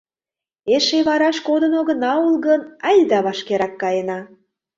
Эше вараш кодын огына ул гын, айда вашкерак каена.